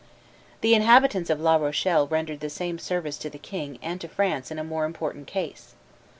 The inhabitants of La Rochelle rendered the same service to the king and to France in a more important case.